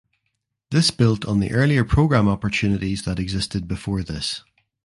This built on the earlier programme opportunities that existed before this.